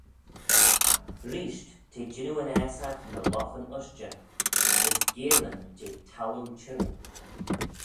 Reesht t'eh jannoo yn aasagh ny loghan ushtey: as geillyn jeh thalloo chirrym.